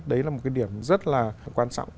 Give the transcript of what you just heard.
đấy là một cái điểm rất là quan trọng